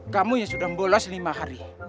kamu yang sudah membolas lima hari